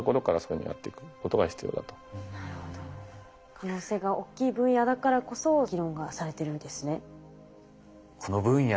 可能性が大きい分野だからこそ議論がされてるんですね。